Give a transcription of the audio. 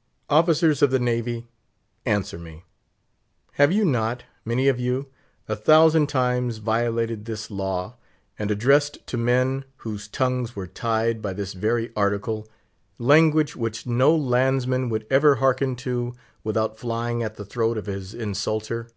_" Officers of the Navy, answer me! Have you not, many of you, a thousand times violated this law, and addressed to men, whose tongues were tied by this very Article, language which no landsman would ever hearken to without flying at the throat of his insulter?